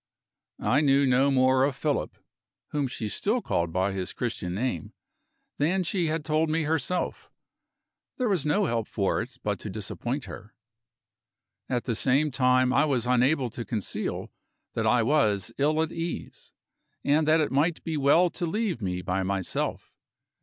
I knew no more of "Philip" (whom she still called by his Christian name!) than she had told me herself: there was no help for it but to disappoint her. At the same time I was unable to conceal that I was ill at ease, and that it might be well to leave me by myself.